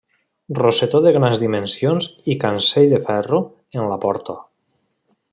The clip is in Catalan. Rosetó de grans dimensions i cancell de ferro en la porta.